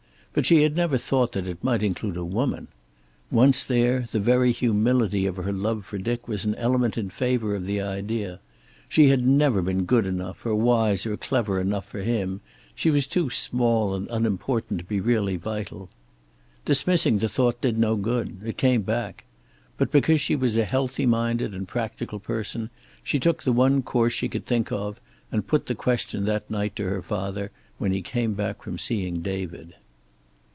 But she had never thought that it might include a woman. Once there, the very humility of her love for Dick was an element in favor of the idea. She had never been good enough, or wise or clever enough, for him. She was too small and unimportant to be really vital. Dismissing the thought did no good. It came back. But because she was a healthy minded and practical person she took the one course she could think of, and put the question that night to her father, when he came back from seeing David.